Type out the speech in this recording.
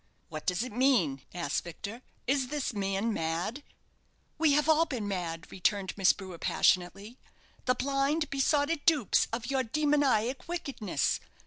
"What does it mean?" asked Victor. "Is this man mad?" "We have all been mad!" returned Miss Brewer, passionately. "The blind, besotted dupes of your demoniac wickedness!